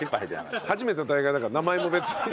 初めての大会だから名前も別に。